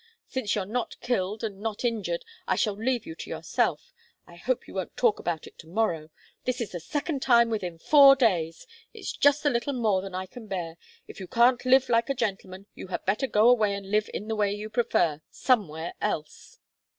Since you're not killed, and not injured, I shall leave you to yourself. I hope you won't talk about it to morrow. This is the second time within four days. It's just a little more than I can bear. If you can't live like a gentleman, you had better go away and live in the way you prefer somewhere else."